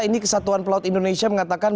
ini kesatuan pelaut indonesia mengatakan